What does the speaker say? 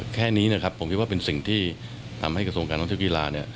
แค่นี้นะครับผมคิดว่าเป็นสิ่งที่ทำให้กระทรวงการท่องเที่ยวกีฬาเนี่ย